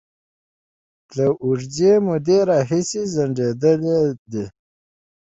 له اوږدې مودې راهیسې ځنډيدلې دي